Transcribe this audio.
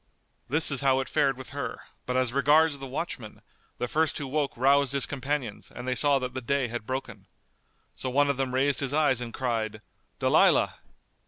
This is how it fared with her; but as regards the watchmen, the first who woke roused his companions and they saw that the day had broken. So one of them raised his eyes and cried, "Dalilah."